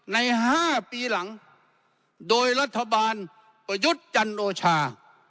ใน๕ปีหลังโดยรัฐบาลประยุทธ์จันโอชา